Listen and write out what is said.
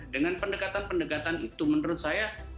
dengan pendekatan pendekatan itu menurut saya